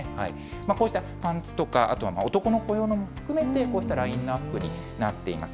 こうしたパンツとか、あと男の子用も含めて、こうしたラインナップになっています。